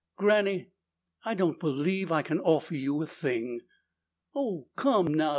"Granny, I don't believe I can offer you a thing." "Oh, come now!